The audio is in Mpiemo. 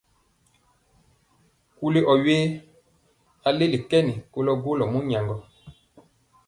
Kuli ɔ we? A leli kɛn kolɔ golɔ mɔnyaŋgɔ.